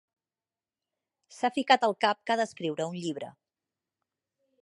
S'ha ficat al cap que ha d'escriure un llibre.